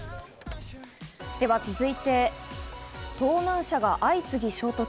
では続いて、盗難車が相次ぎ衝突。